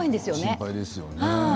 心配ですよね。